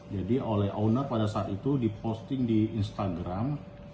oleh owner pada saat itu diposting di instagram